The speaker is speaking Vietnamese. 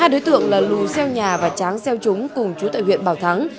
hai đối tượng là lù xeo nhà và tráng xeo chúng cùng chú tại huyện bảo thắng